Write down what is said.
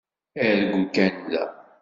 Aṛǧu kan da.